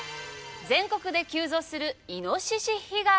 全国で急増するいのしし被害。